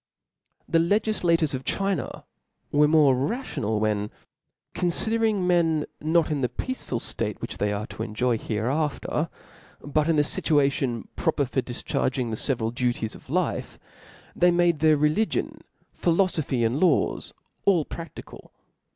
*^ 7* The legiflators of China were more rational, when confidering men not in the peaceful ftate which they are to enjoy hereafter, but in the fituation proper for difcharging the federal duties of life, they made their religion, philofophy, and laws, all praftical.